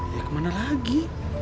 ya kemana lagi